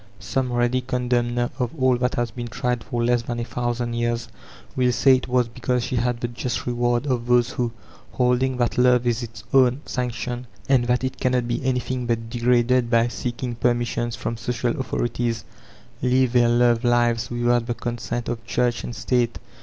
Some ready condemner of all that has been tried for less than a thousand years, will say it was because she had the just reward of those who, holding that love is its own sanction and that it cannot be anything but degraded by seeking peffnissions from social authorities, live their love lives without the consent of Church and State.